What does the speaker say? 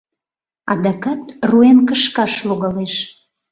Адакат руэн кышкаш логалеш.